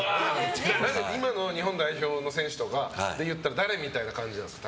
今の日本代表の選手でいったら誰みたいな感じなんですか？